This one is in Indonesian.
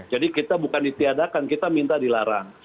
kita bukan ditiadakan kita minta dilarang